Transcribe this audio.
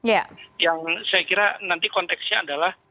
yang saya kira nanti konteksnya adalah